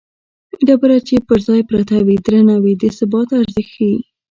ډبره چې پر ځای پرته وي درنه وي د ثبات ارزښت ښيي